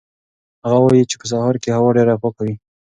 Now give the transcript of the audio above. هغه وایي چې په سهار کې هوا ډېره پاکه وي.